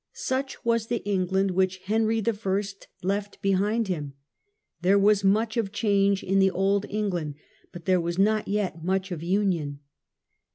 Such was the England which Henry L left behind him. There was much of change in the old England, but there was not yet much of union.